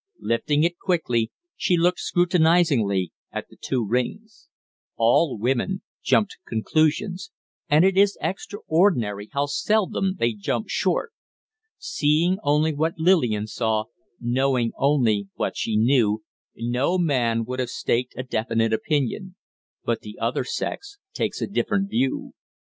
Lifting it quickly, she looked scrutinizingly at the two rings. All women jump to conclusions, and it is extraordinary how seldom they jump short. Seeing only what Lillian saw, knowing only what she knew, no man would have staked a definite opinion; but the other sex takes a different view.